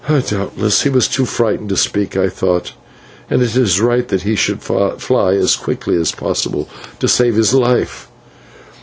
"Doubtless he is too frightened to speak," I thought, "and it is right that he should fly as quickly as possible to save his life."